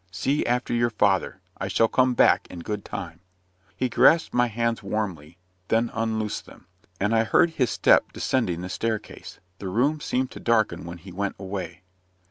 see after your father. I shall come back in good time." He grasped my hands warmly then unloosed them; and I heard his step descending the staircase. The room seemed to darken when he went away.